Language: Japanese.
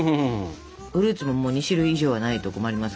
フルーツも２種類以上はないと困ります。